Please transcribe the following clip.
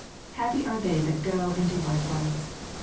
Happy are they that go and do likewise